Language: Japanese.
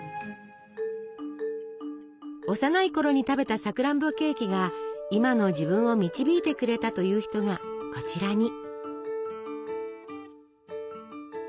幼いころに食べたさくらんぼケーキが今の自分を導いてくれたという人がこちらに。